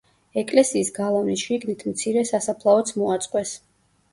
ეკლესიის გალავნის შიგნით მცირე სასაფლაოც მოაწყვეს.